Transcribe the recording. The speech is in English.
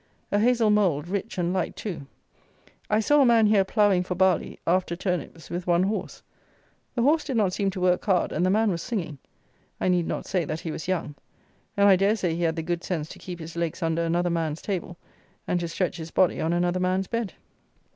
A hazel mould, rich and light too. I saw a man here ploughing for barley, after turnips, with one horse: the horse did not seem to work hard, and the man was singing: I need not say that he was young; and I dare say he had the good sense to keep his legs under another man's table, and to stretch his body on another man's bed.